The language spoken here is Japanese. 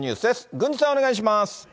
郡司さん、お願いします。